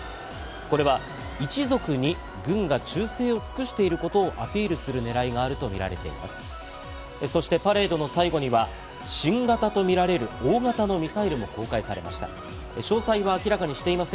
これは一族に軍が忠誠を尽くしていることをアピールする狙いがあるとみられています。